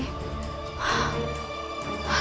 aku harus mencari rangga soka